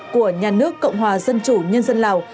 của nhà nước cộng hòa dân chủ nhân dân lào